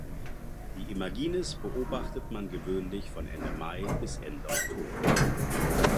Die Imagines beobachtet man gewöhnlich von Ende Mai bis Ende Oktober.